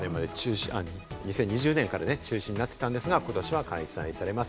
２０２０年から中止になっていたんですが、ことしは開催されます。